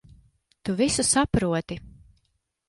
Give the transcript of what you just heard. Tu visu saproti.